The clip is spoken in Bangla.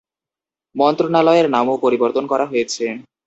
মন্ত্রণালয়ের নামও পরিবর্তন করা হয়েছে।